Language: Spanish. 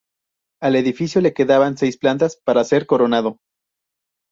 Al edificio le quedaban seis plantas para ser coronado.